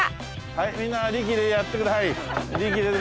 はいみんな力でやってください。